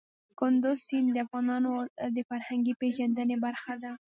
کندز سیند د افغانانو د فرهنګي پیژندنې برخه ده.